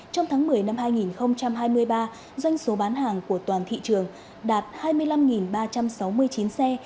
trong tháng một mươi năm hai nghìn hai mươi ba doanh số bán hàng của toàn thị trường đạt hai mươi năm ba trăm sáu mươi chín xe